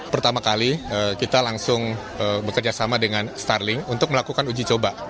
pertama kali kita langsung bekerjasama dengan starling untuk melakukan uji coba